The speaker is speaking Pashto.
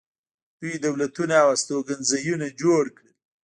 دوی دولتونه او استوګنځایونه جوړ کړل.